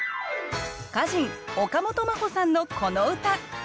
歌人岡本真帆さんのこの歌。